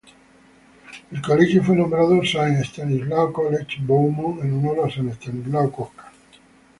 El colegio fue nombrado St Stanislaus College, Beaumont, en honor a San Estanislao Kostka.